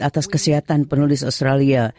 atas kesehatan penulis australia